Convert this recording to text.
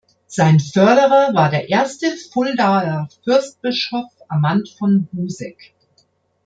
Sein Förderer war der erste Fuldaer Fürstbischof Amand von Buseck.